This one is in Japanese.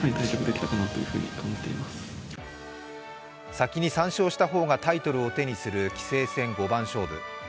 先に３勝した方がタイトルを手にする棋聖戦五番勝負。